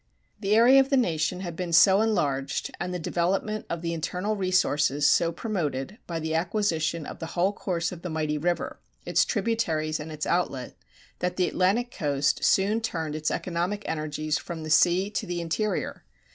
The area of the nation had been so enlarged and the development of the internal resources so promoted, by the acquisition of the whole course of the mighty river, its tributaries and its outlet, that the Atlantic coast soon turned its economic energies from the sea to the interior.